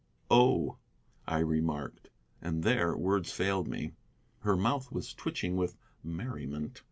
"Oh," I remarked, and there words failed me. Her mouth was twitching with merriment.